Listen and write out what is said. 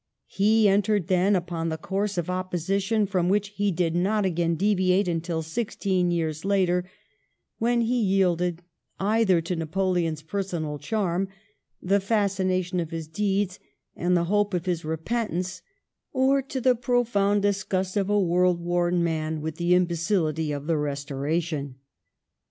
He entered then upon the course of opposition from which he did not again deviate until sixteen years later, when he yielded either to Napoleon's personal charm, the fascination of his deeds, and the hope of his repentance; or to the profound disgust of a world worn man with the imbecility of the Restoration.